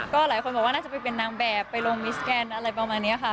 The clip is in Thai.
ก็หลายคนบอกว่าน่าจะไปเป็นนางแบบไปลงมิสแกนอะไรประมาณนี้ค่ะ